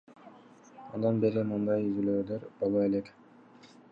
Андан бери мындай изилдөөлөр боло элек.